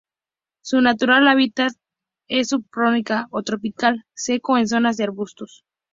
Su natural hábitat es subtropical o tropical seco en zonas de arbustos.